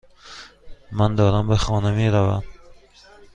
من دارم به خانه میروم.